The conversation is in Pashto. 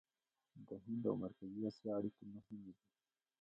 د هند او مرکزي اسیا اړیکې مهمې دي.